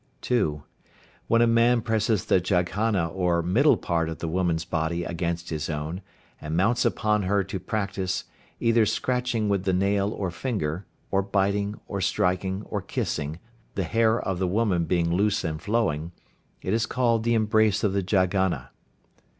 (2). When a man presses the jaghana or middle part of the woman's body against his own, and mounts upon her to practise, either scratching with the nail or finger, or biting, or striking, or kissing, the hair of the woman being loose and flowing, it is called the "embrace of the jaghana."